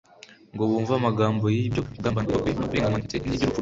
Ngo bumve amagambo y'ibyo kugambanirwa kwe no kurenganywa ndetse n'iby'urupfu rwe,